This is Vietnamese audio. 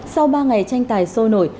sau ba ngày tranh tài xuất